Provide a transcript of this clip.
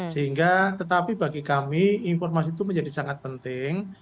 sehingga tetapi bagi kami informasi itu menjadi sangat penting